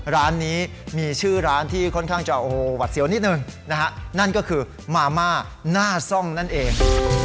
ร้านนี้มีชื่อร้านที่ค่อนข้างจะโอ้โหหวัดเสียวนิดหนึ่งนะฮะนั่นก็คือมาม่าหน้าซ่องนั่นเอง